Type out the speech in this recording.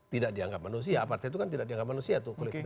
tidak dianggap manusia apartheid itu kan tidak dianggap manusia